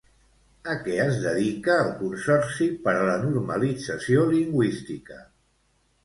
A què es dedica el Consorci per a la Normalització Lingüística?